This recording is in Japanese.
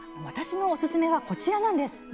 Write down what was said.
私のおすすめは、こちら。